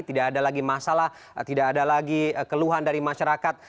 tidak ada lagi masalah tidak ada lagi keluhan dari masyarakat